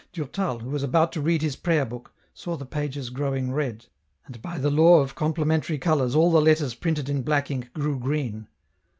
Durtal, who was about to read his prayer book, saw the pages growing red, and by the law of complementary colours all the letters printed in black ink grew green.